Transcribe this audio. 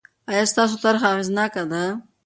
آیا ستاسو طرحه اغېزناکه ده؟